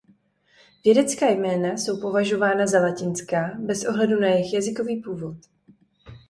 Vědecká jména jsou považována za latinská bez ohledu na jejich jazykový původ.